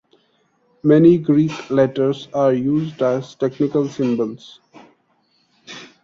Many Greek letters are used as technical symbols.